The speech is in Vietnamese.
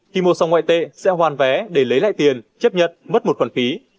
khi mua xong ngoại tệ sẽ hoàn vé để lấy lại tiền chấp nhận mất một khoản phí